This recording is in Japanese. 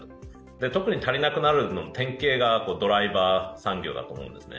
特に足りなくなる典型がドライバー産業だと思うんですね。